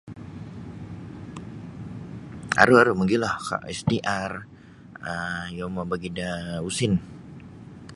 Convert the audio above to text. Aru-aru mogilo STR um iyo mobogi da usin.